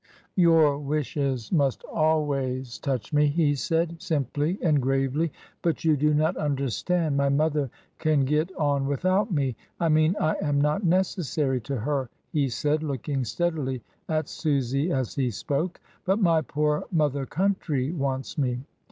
"Your wishes must always touch me," he said, simply and gravely; "but you do not understand: my mother can get on without me. I mean I am not necessary to her," he said, looking steadily at Susy as he spoke; "but my poor mother country wants me.